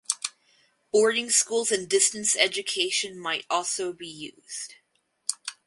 Boarding schools and distance education might also be used.